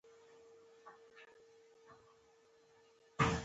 په پایله کې عرضه زیاته او تقاضا کمېږي